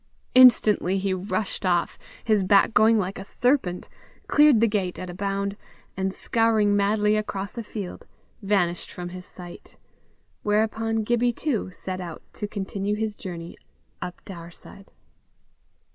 Instantly he rushed off, his back going like a serpent, cleared the gate at a bound, and scouring madly across a field, vanished from his sight; whereupon Gibbie too set out to continue his journey up Daurside.